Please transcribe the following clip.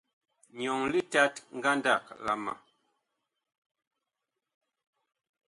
Nyɔŋ litat ngandag la ma.